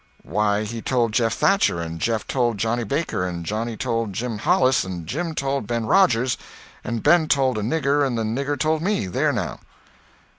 "Why, he told Jeff Thatcher, and Jeff told Johnny Baker, and Johnny told Jim Hollis, and Jim told Ben Rogers, and Ben told a nigger, and the nigger told me. There now!"